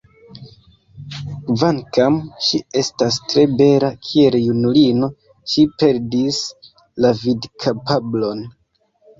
Kvankam ŝi estas tre bela, kiel junulino ŝi perdis la vidkapablon.